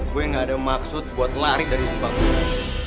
gue gak ada maksud buat lari dari sempak gue